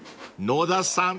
［野田さん